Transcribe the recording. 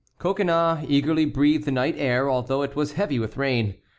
Coconnas eagerly breathed the night air, although it was heavy with rain.